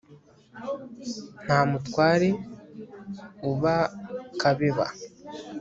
nta mutware uba kabeba